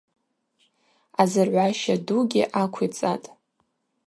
Азыргӏваща дугьи аквицӏатӏ.